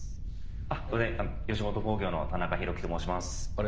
「吉本興業の田中裕樹と申します」